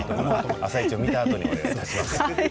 「あさイチ」を見たあとにお願いします。